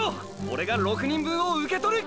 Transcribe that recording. オレが６人分を受け取る！！